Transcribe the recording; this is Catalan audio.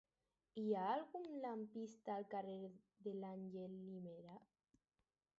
Hi ha algun lampista al carrer d'Àngel Guimerà?